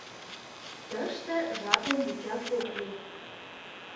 Тыште жапым вучаш ок лий.